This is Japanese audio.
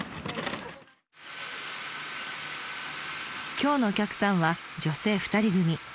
今日のお客さんは女性２人組。